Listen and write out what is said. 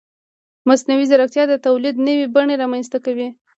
مصنوعي ځیرکتیا د تولید نوې بڼې رامنځته کوي.